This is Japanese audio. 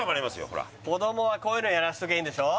ほら子どもはこういうのやらせときゃいいんでしょ？